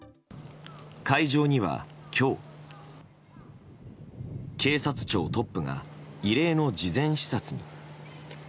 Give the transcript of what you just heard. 会場には今日警察庁トップが異例の事前視察に。